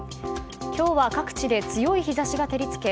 今日は各地で強い日差しが照り付け